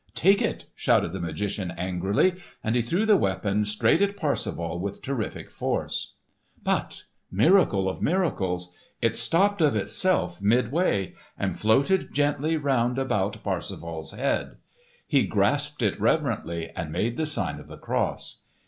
"Take it!" shouted the magician angrily. And he threw the weapon straight at Parsifal with terrific force. But miracle of miracles! it stopped of itself midway, and floated gently round about Parsifal's head. He grasped it reverently and made the sign of the cross.